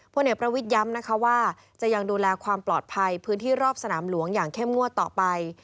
เด็กประวิทย้ำนะคะว่าจะยังดูแลความปลอดภัยพื้นที่รอบสนามหลวงอย่างเข้มงวดต่อไป